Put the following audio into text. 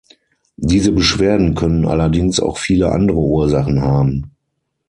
Diese Beschwerden können allerdings auch viele andere Ursachen haben.